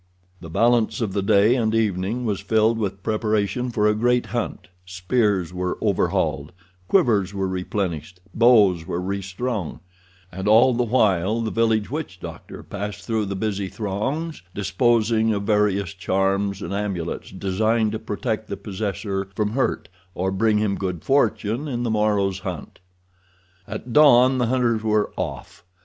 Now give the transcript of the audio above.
The balance of the day and evening was filled with preparation for a great hunt—spears were overhauled, quivers were replenished, bows were restrung; and all the while the village witch doctor passed through the busy throngs disposing of various charms and amulets designed to protect the possessor from hurt, or bring him good fortune in the morrow's hunt. At dawn the hunters were off.